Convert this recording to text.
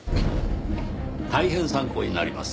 大変参考になります。